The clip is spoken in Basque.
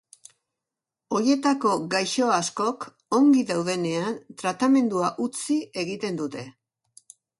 Horietako gaixo askok ongi daudenean tratamendua utzi egiten dute.